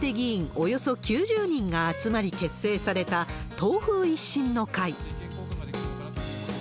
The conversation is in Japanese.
およそ９０人が集まり結成された、党風一新の会。